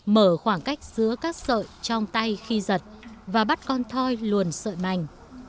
mở khoảng cách giữa các sợi trong tay khi giật và bắt con thoi luồn sợi mảnh